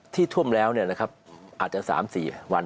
ท่วมแล้วอาจจะ๓๔วัน